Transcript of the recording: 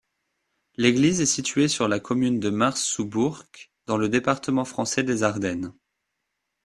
L'église est située sur la commune de Mars-sous-Bourcq, dans le département français des Ardennes.